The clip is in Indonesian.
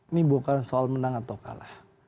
ini bukan soal menang atau kalah